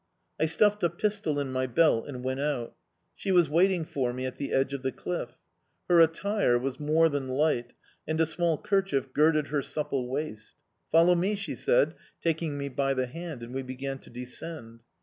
I stuffed a pistol in my belt and went out. She was waiting for me at the edge of the cliff. Her attire was more than light, and a small kerchief girded her supple waist. "Follow me!" she said, taking me by the hand, and we began to descend.